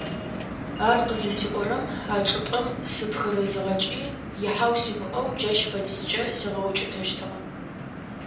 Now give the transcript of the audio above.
Ар къызысиӀорэм а чӀыпӀэм сыпхырызыгъэкӀи ихьау симыӀэу джащ фэдизкӀэ сигъэукӀытэщтыгъэ.